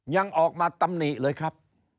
ยังออกมาตำหนิเลยครับ